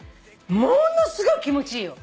ものすごい気持ちいいよ。